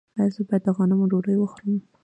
ایا زه باید د غنمو ډوډۍ وخورم؟